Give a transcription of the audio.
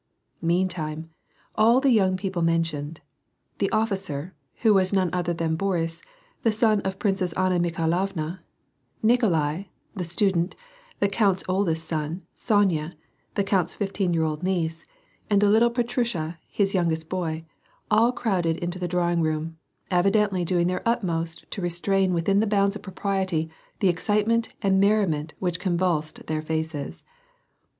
Meantime, all the young people mentioned — the officer, who was none other than Boris, the son of the Princess Anna Mikhailovna, Nikolai, the student, the count^s oldest son, Sonya, the count's fifteen year old niece, and the little Petrusha, his youngest boy, all crowded into the drawing room, evidently doing their utmost to restrain within the bounds of propriety the excitement and merriment which convulsed their faces.